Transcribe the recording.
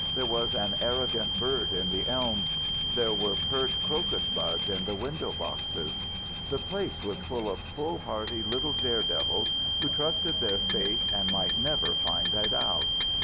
There was an arrogant bird in the elm; there were pert crocus buds in the window boxes. The place was full of foolhardy little dare devils who trusted their fate and might never find it out.